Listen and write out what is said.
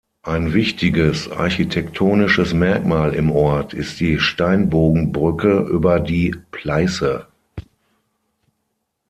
Ein wichtiges architektonisches Merkmal im Ort ist die Steinbogenbrücke über die Pleiße.